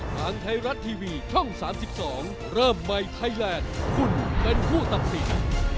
ทางไทยรัฐทีวีช่อง๓๒เริ่มใหม่ไทยแลนด์คุณเป็นผู้ตัดสิน